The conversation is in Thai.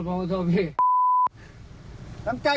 มันชีวบี่แจ่งกันหรอ